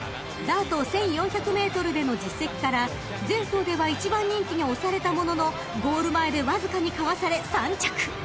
［ダート１，４００ｍでの実績から前走では１番人気に推されたもののゴール前でわずかにかわされ３着］